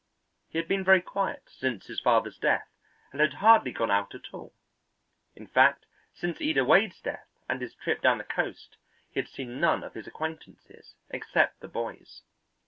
He had been very quiet since his father's death and had hardly gone out at all; in fact, since Ida Wade's death and his trip down the coast he had seen none of his acquaintances except the boys.